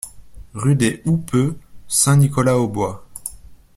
Rue des Houppeux, Saint-Nicolas-aux-Bois